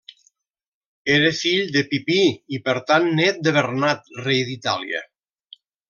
Era fill de Pipí i per tant nét de Bernat, rei d'Itàlia.